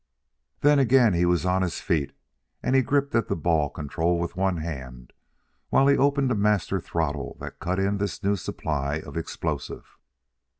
Then again he was on his feet, and he gripped at the ball control with one hand while he opened a master throttle that cut in this new supply of explosive.